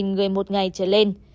một người một ngày trở lên